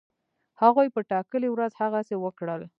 هغوی په ټاکلې ورځ هغسی وکړل.